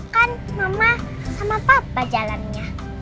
kan mama sama papa jalannya